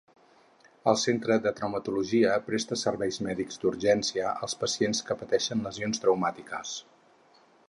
El centre de traumatologia presta serveis mèdics d'urgència als pacients que pateixen lesions traumàtiques.